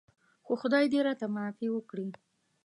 خو خدای دې راته معافي وکړي.